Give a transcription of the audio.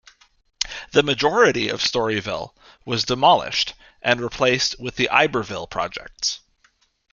The majority of Storyville was demolished and replaced with the Iberville Projects.